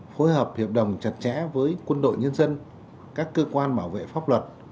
phối hợp hiệp đồng chặt chẽ với quân đội nhân dân các cơ quan bảo vệ pháp luật